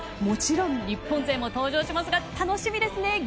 もちろん日本勢も登場しますが楽しみですね